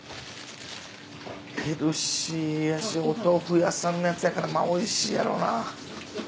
ヘルシーやしお豆腐屋さんのやつやからおいしいやろなぁ。